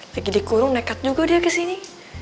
lagi dikurung nekat juga dia kesini